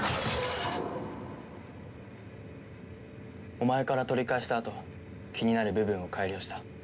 お前から取り返したあと気になる部分を改良した。